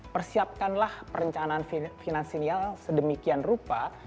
persiapkanlah perencanaan finansial sedemikian rupa